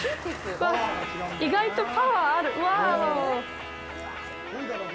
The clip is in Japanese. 意外とパワーある。